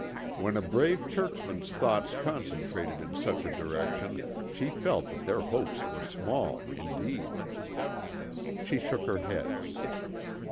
When a brave churchman's thoughts concentrated in such a direction she felt that their hopes were small indeed. She shook her head.